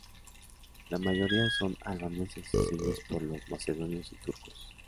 La mayoría son albaneses, seguidos por los macedonios y turcos.